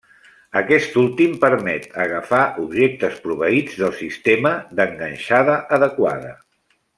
Aquest últim permet agafar objectes proveïts del sistema d'enganxada adequada.